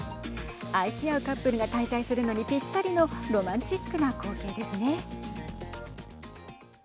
愛し合うカップルが滞在するのにぴったりのロマンチックな光景ですね。